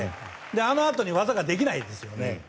あのあとに技ができないですよね。